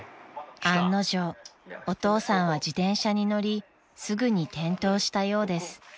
［案の定お父さんは自転車に乗りすぐに転倒したようです］